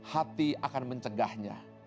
hati akan mencegahnya